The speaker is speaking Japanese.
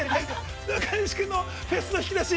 ◆中西君のフェスの引き出し